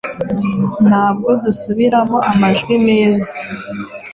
Ntabwo dusubiramo amajwi meza,